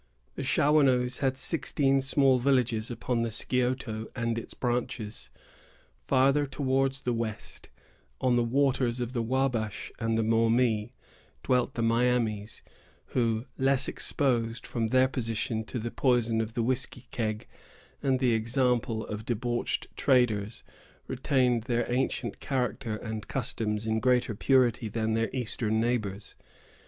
The Shawanoes had sixteen small villages upon the Scioto and its branches. Farther towards the west, on the waters of the Wabash and the Maumee, dwelt the Miamis, who, less exposed, from their position, to the poison of the whiskey keg, and the example of debauched traders, retained their ancient character and customs in greater purity than their eastern neighbors.